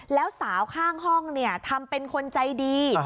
แล้วสาวข้างห้องเนี่ยทำเป็นคนใจดี